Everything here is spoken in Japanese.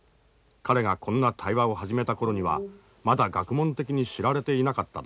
彼がこんな対話を始めた頃にはまだ学問的に知られていなかっただろう。